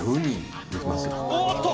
おおっと！